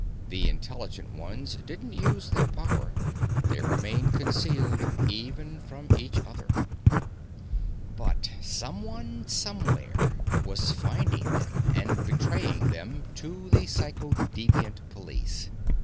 The intelligent ones didn't use their power; they remained concealed, even from each other. But someone, somewhere, was finding them and betraying them to the Psychodeviant Police.